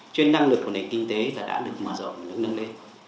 cho nên năng lực của nền kinh tế đã được mở rộng và nâng lên